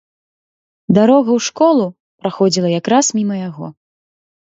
Дарога ў школу праходзіла якраз міма яго.